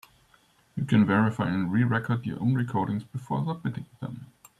You can verify and re-record your own recordings before submitting them.